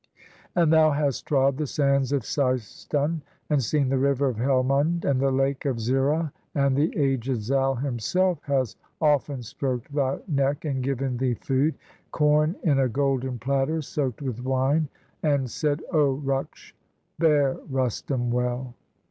And thou hast trod the sands of Seistan, And seen the River of Helmund, and the Lake Of Zirrah; and the aged Zal himself Has often strok'd thy neck, and given thee food, Corn in a golden platter, soak'd with wine, And said: 0 Ruksh, bear Rustum well!